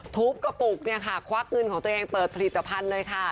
ทุบกระปุกเนี่ยค่ะควักเงินของตัวเองเปิดผลิตภัณฑ์เลยค่ะ